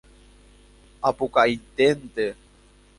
Apukaiténte.